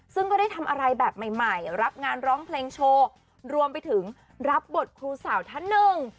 ซึ่งก็ได้ทำอะไรแบบใหม่ใหม่รับงานร้องเพลงโชว์รวมไปถึงรับบทครูสาวท่านหนึ่ง